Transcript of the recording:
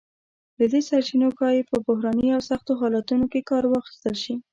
له دې سرچینو ښایي په بحراني او سختو حالتونو کې کار واخیستل شی.